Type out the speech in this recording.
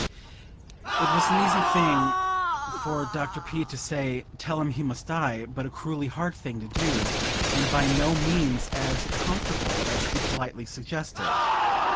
It was an easy thing for Dr. P. to say: "Tell him he must die," but a cruelly hard thing to do, and by no means as "comfortable" as he politely suggested.